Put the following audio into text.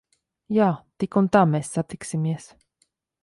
Jā. Tik un tā mēs satiksimies.